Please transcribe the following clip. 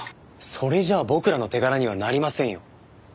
それじゃあ僕らの手柄にはなりませんよ。